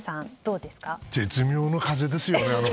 絶妙の風ですよね。